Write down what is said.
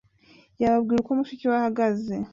Yababwira uko mushiki we ahagaze